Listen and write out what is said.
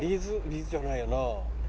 ’ｚじゃないよな。